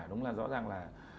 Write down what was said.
đúng là rõ ràng là